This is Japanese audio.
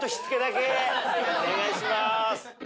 お願いします。